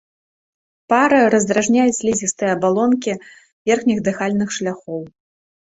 Пара раздражняе слізістыя абалонкі верхніх дыхальных шляхоў.